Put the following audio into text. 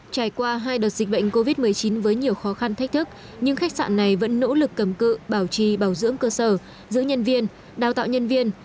trải qua hai đợt dịch bệnh covid một mươi chín với nhiều khó khăn thách thức nhưng khách sạn này vẫn nỗ lực cầm cự bảo trì bảo dưỡng cơ sở giữ nhân viên đào tạo nhân viên